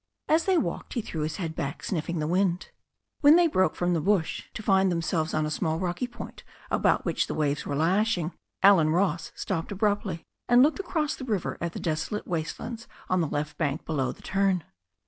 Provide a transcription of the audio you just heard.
As they walked he threw his head back, sniflfing the wind. When they broke from the bush, to find themselves on a email rocky point about which the waves were lashing, Allen Ross stopped abruptly, and looked across the river at the desolate waste lands on the left bank below the turn.